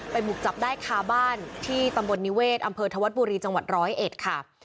บุกจับได้คาบ้านที่ตำบลนิเวศอำเภอธวัดบุรีจังหวัดร้อยเอ็ดค่ะ